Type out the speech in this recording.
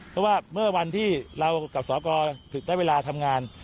เพราะว่าเมื่อวันที่เรากับสกถึงได้เวลาทำงาน